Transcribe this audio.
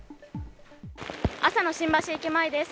朝の新橋駅前です。